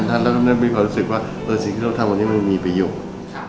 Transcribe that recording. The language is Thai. เราก็เริ่มมีความรู้สึกว่าสิ่งที่เราทำวันนี้มันมีประโยชน์